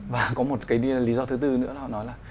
và có một cái lý do thứ tư nữa là họ nói là